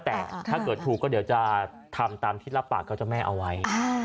แต่ถ้าเกิดถูกก็เดี๋ยวจะทำตามที่รับปากกับเจ้าแม่เอาไว้